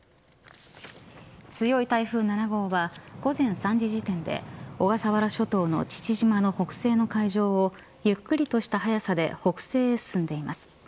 強い台風７号は午前３時時点で小笠原諸島の父島の北西の海上をゆっくりとした速さで北西へ進んでいます。